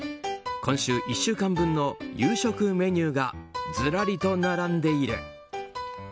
今週１週間分の夕食メニューがずらりと並んでいる。